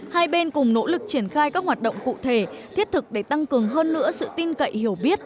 hai bên cùng nỗ lực triển khai các hoạt động cụ thể thiết thực để tăng cường hơn nữa sự tin cậy hiểu biết